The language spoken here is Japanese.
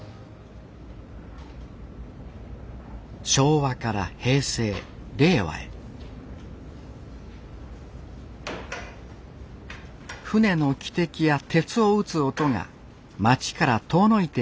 昭和から平成令和へ船の汽笛や鉄を打つ音が町から遠のいていくようになりました